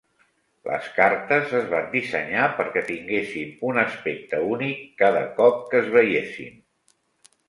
Les cartes es van dissenyar perquè tinguessin un aspecte únic cada cop que es veiessin.